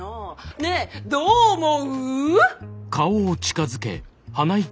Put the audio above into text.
ねえ？どう思う？